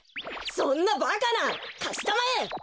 そんなばかな！かしたまえ！